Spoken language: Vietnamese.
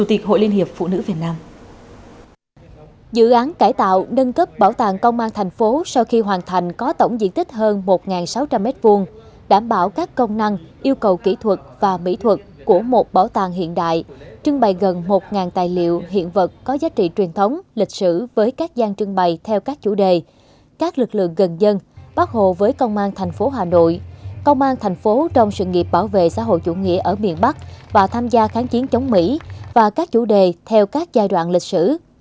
dự án cải tạo nâng cấp bảo tàng công an thành phố sau khi hoàn thành có tổng diện tích hơn một sáu trăm linh m hai đảm bảo các công năng yêu cầu kỹ thuật và mỹ thuật của một bảo tàng hiện đại trưng bày gần một tài liệu hiện vật có giá trị truyền thống lịch sử với các gian trưng bày theo các chủ đề các lực lượng gần dân bác hồ với công an thành phố hà nội công an thành phố trong sự nghiệp bảo vệ xã hội chủ nghĩa ở miền bắc và tham gia kháng chiến chống mỹ và các chủ đề theo các giai đoạn lịch sử